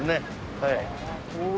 はい。